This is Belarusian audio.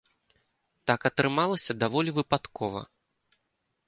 Так атрымалася даволі выпадкова.